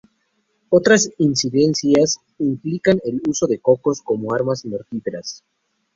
Otras incidencias implican el uso de cocos como armas mortíferas.